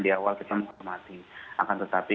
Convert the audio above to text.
di awal kita menghormati akan tetapi